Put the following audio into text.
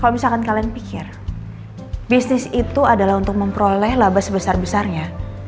kalau misalkan kalian pikir bisnis itu adalah untuk memperoleh laba sebesar besarnya